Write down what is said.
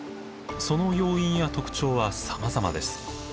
その要因や特徴はさまざまです。